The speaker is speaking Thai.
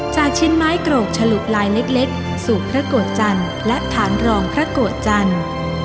จากชิ้นไม้กรกฉลุลายเล็กสู่พระโกรธจันทร์และฐานรองพระโกรธจันทร์